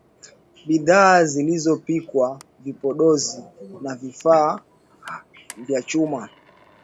bidhaa zilizopikwa vipodozi na vifaa vya chuma